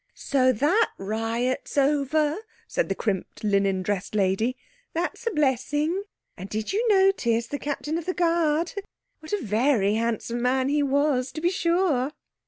"So that riot's over," said the crimped linen dressed lady; "that's a blessing! And did you notice the Captain of the Guard? What a very handsome man he was, to be sure!"